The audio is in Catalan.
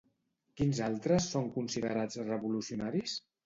Quins altres són considerats revolucionaris?